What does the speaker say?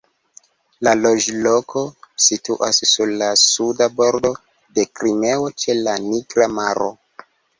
La loĝloko situas sur la Suda Bordo de Krimeo ĉe la Nigra maro.